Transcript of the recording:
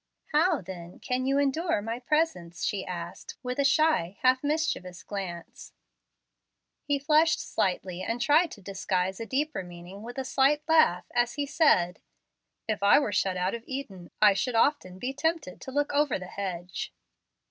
"How, then, can you endure my presence?" she asked, with a shy, half mischievous glance. He flushed slightly, and tried to disguise a deeper meaning with a slight laugh, as he said, "If I were shut out of Eden, I should often be tempted to look over the hedge."